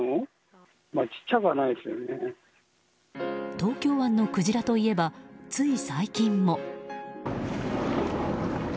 東京湾のクジラといえばつい最近も。